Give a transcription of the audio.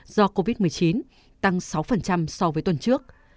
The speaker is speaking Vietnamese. do covid một mươi chín tăng sáu so với tuần trước